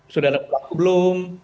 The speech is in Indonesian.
sudah dapat belum